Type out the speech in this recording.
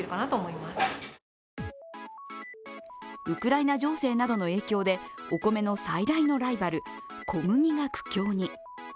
ウクライナ情勢などの影響でお米の最大のライバル小麦が苦境に。